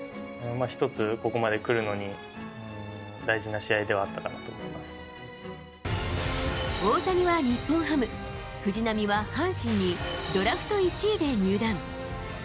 １つここまで来るのに大事な大谷は日本ハム、藤浪は阪神に、ドラフト１位で入団。